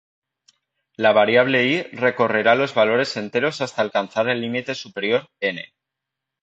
La variable "i" recorrerá los valores enteros hasta alcanzar el límite superior, "n".